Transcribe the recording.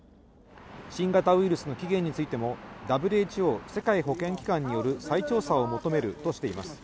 新型ウイルスの起源についてもＷＨＯ＝世界保健機関による再調査を求めるとしています。